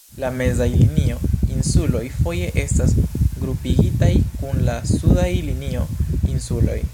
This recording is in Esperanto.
La Mezaj Linio-Insuloj foje estas grupigitaj kun la Sudaj Linio-Insuloj.